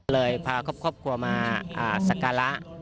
เลยพาครอบครัวมาสการะ